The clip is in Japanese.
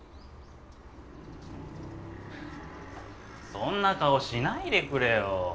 そんな顔しないでくれよ。